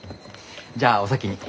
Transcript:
じゃあお先に。